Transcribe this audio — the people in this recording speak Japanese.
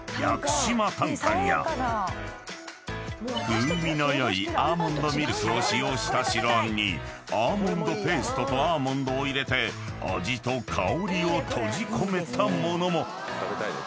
［風味の良いアーモンドミルクを使用した白あんにアーモンドペーストとアーモンドを入れて味と香りを閉じ込めた物も］